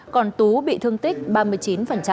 còn tú bị thương tích ba mươi chín